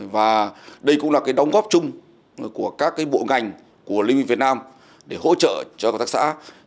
và đây cũng là cái đóng góp chung của các bộ ngành của liên minh việt nam để hỗ trợ cho hợp tác xã